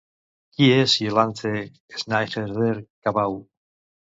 Qui és Yolanthe Sneijder-Cabau?